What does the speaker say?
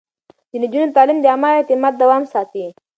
د نجونو تعليم د عامه اعتماد دوام ساتي.